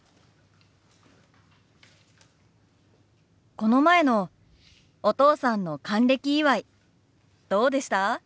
この前のお父さんの還暦祝どうでした？